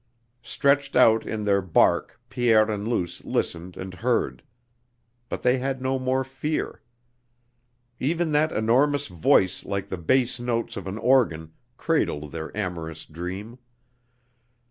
Stretched out in their barque Pierre and Luce listened and heard. But they had no more fear. Even that enormous voice like the bass notes of an organ cradled their amorous dream.